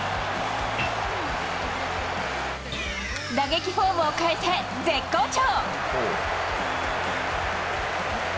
打撃フォームを変えて絶好調。